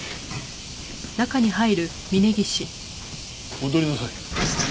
戻りなさい。